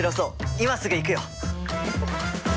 今すぐ行くよ！